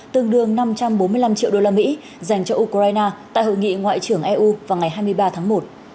tương đương năm trăm bốn mươi năm triệu đô la mỹ dành cho ukraine tại hội nghị ngoại trưởng eu vào ngày hai mươi ba tháng một